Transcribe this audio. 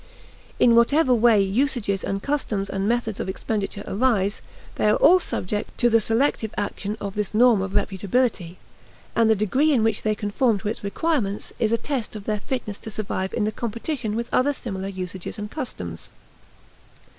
In whatever way usages and customs and methods of expenditure arise, they are all subject to the selective action of this norm of reputability; and the degree in which they conform to its requirements is a test of their fitness to survive in the competition with other similar usages and customs.